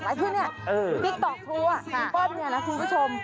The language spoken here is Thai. ทุกครั้งนี้ติ๊กตอบครูปอบเนี่ยนะคุณผู้ชม